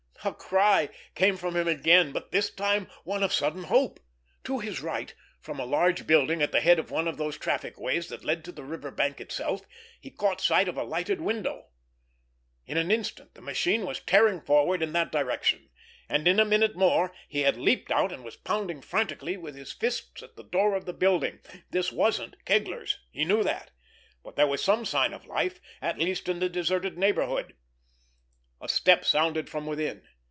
A cry came from him again, but this time one of sudden hope. To his right, from a large building at the head of one of those trafficways that led to the river bank itself, he caught sight of a lighted window. In an instant the machine was tearing forward in that direction; and in a minute more he had leaped out, and was pounding frantically with his fists at the door of the building. This wasn't Kegler's, he knew that; but here was some sign of life at last in the deserted neighborhood. A step sounded from within.